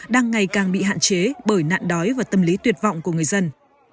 đang ngày càng bị hạn chế bởi nạn đói và tâm lý tuyệt vọng của người dân